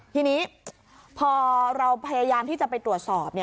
ทีนี้พอเราพยายามที่จะไปตรวจสอบ